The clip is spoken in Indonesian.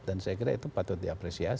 dan saya kira itu patut diapresiasi